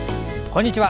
こんにちは。